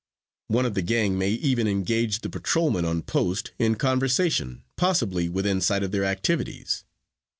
One of the gang may even engage the patrolman on post in conversation, possibly within sight of their activities.